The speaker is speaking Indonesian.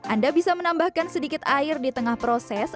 anda bisa menambahkan sedikit air di tengah proses